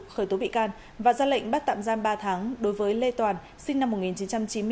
khởi tố bị can và ra lệnh bắt tạm giam ba tháng đối với lê toàn sinh năm một nghìn chín trăm chín mươi bốn